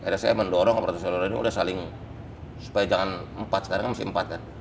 rsc mendorong operator seluler ini supaya jangan empat sekarang kan masih empat kan